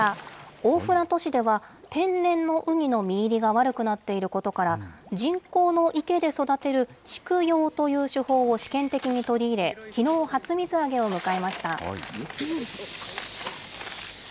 大船渡市では天然のウニの実入りが悪くなっていることから、人工の池で育てる畜養という手法を試験的に取り入れ、きのう初水揚げを迎えました。